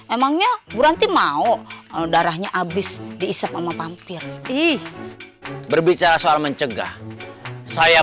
emangnya bu ranti mau darahnya habis diisap sama pampir ih berbicara soal mencegah saya